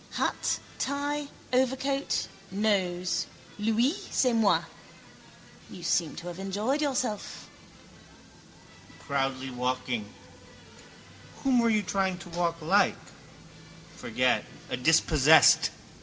Hat, tie, overcoat, nose. Lui, c'est moi. You seem to have enjoyed yourself. Proudly walking. Whom were you trying to walk like? Forget: a dispossessed.